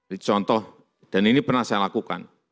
jadi contoh dan ini pernah saya lakukan